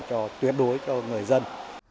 cho tuyệt đối cho người dân